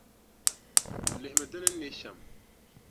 Lihimi di ni ne shɛm.